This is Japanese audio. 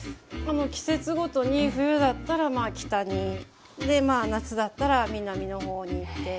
季節ごとに冬だったら北に夏だったら南の方に行って。